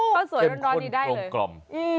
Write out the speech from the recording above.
อู้วเข้มข้นกล่อม